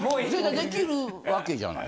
できる訳じゃない。